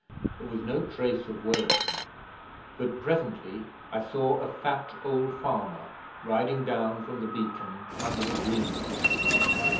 There was no trace of Weland, but presently I saw a fat old farmer riding down from the Beacon under the greenwood tree.